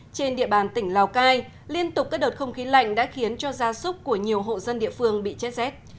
trên địa bàn tỉnh lào cai liên tục các đợt không khí lạnh đã khiến cho gia súc của nhiều hộ dân địa phương bị chết rét